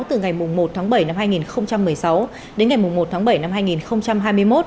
từ ngày một tháng bảy năm hai nghìn một mươi sáu đến ngày một tháng bảy năm hai nghìn hai mươi một